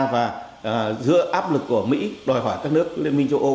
và giữa áp lực của mỹ đòi hỏi các nước liên minh châu âu